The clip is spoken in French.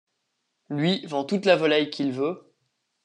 Lui, vend toute la volaille qu’il veut…